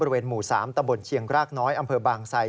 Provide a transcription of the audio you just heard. บริเวณหมู่๓ตำบลเชียงรากน้อยอำเภอบางไซ